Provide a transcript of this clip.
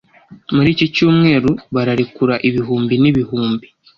muri iki Cyumweru bararekura ibihumbi n'ibihumbi